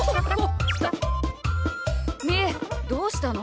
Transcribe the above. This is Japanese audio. みーどうしたの？